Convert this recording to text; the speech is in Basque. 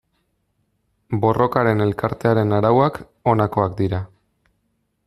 Borrokaren Elkartearen arauak honakoak dira.